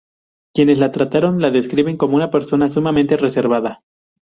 Quienes la trataron la describen como una persona sumamente reservada.